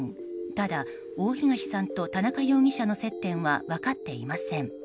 ただ、大東さんと田中容疑者の接点は分かっていません。